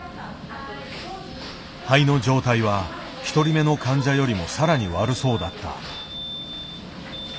肺の状態は１人目の患者よりも更に悪そうだった。